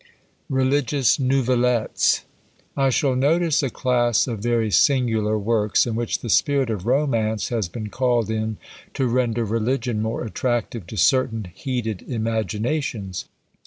RELIGIOUS NOUVELLETTES. I shall notice a class of very singular works, in which the spirit of romance has been called in to render religion more attractive to certain heated imaginations.